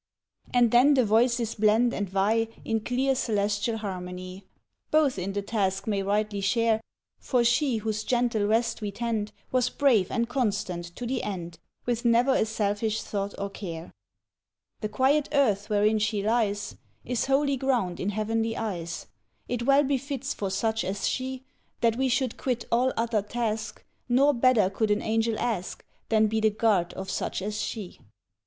And then the voices blend and vie In clear, celestial harmony :" Both in the task may rightly share, For she whose gentle rest we tend Was brave and constant to the end, With never a selfish thought or care. /" The quiet earth wherein she lies Is holy ground in heavenly eyes ; TWO ANGELS 31 It well befits for such as she That we should quit all other task ; Nor better could an angel ask Than be the guard of such as she."